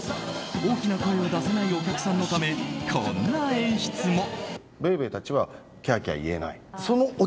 大きな声を出せないお客さんのため、こんな演出も。